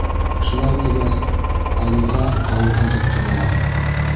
Шулай тигәс, Алиға ҡауырһын тотторалар.